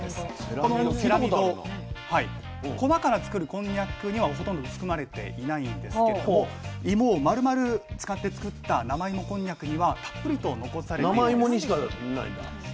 このセラミド粉から作るこんにゃくにはほとんど含まれていないんですけれども芋をまるまる使って作った生芋こんにゃくにはたっぷりと残されているんです。